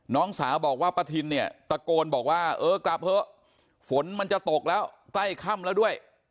น้องสาวบอกว่าป้าทินเนี่ยตะโกนบอกว่าเออกลับเถอะฝนมันจะตกแล้วใกล้ค่ำแล้วด้วย